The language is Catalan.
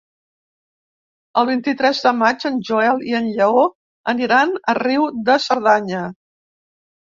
El vint-i-tres de maig en Joel i en Lleó aniran a Riu de Cerdanya.